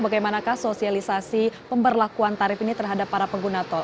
bagaimana sosialisasi pemberlakuan tarif ini terhadap para pengguna tol